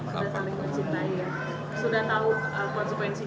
sudah tahu konsekuensinya bakal kan nggak akan serupa nih